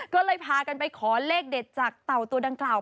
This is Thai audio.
ก็เลยพากันไปขอเลขเด็ดจากเต่าตัวดังกล่าว